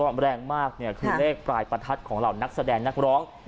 แรงมากเนี่ยคือเลขปลายประทัดของเหล่านักแสดงนักร้อง